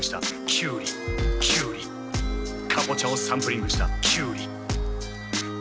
「キュウリキュウリカボチャをサンプリングしたキュウリ」